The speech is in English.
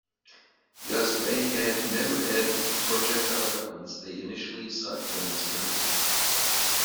Because they had never had projectile weapons, they initially sought guns for hunting.